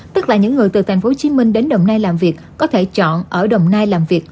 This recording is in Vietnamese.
tức là những người từ tp hcm đến đồng nai làm việc có thể chọn ở đồng nai làm việc